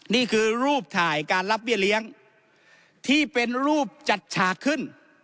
นี่คือรูปถ่ายการรับเบี้ยเลี้ยงที่เป็นรูปจัดฉากขึ้น